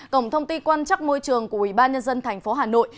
cổng thông tin quan trắc môi trường của ủy ban nhân dân thành phố hà nội